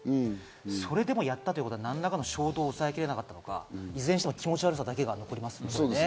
それでもやったということは、何らかの衝動を抑えきれなかったか、いずれにしても気持ち悪さだけが残りますね。